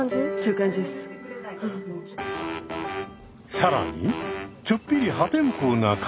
更にちょっぴり破天荒な解消法も。